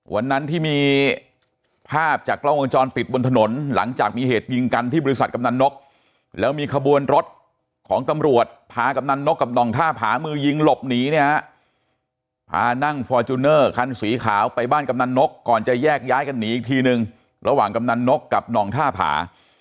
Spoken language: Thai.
วันนั้นที่มีภาพจากกล้องวงจรปิดบนถนนหลังจากมีเหตุยิงกันที่บริษัทกำนันนกแล้วมีขบวนรถของตำรวจพากำนันนกกับหน่องท่าผามือยิงหลบหนีเนี่ยฮะพานั่งฟอร์จูเนอร์คันสีขาวไปบ้านกำนันนกก่อนจะแยกย้ายกันหนีอีกทีนึงระหว่างกำนันนกกับหน่องท่าผา